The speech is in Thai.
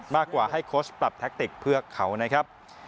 มากกว่าให้โค้ชปรับแท็กติกเพื่อเขานะครับ